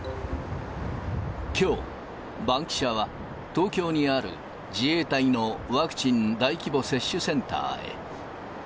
きょう、バンキシャは、東京にある自衛隊のワクチン大規模接種センターへ。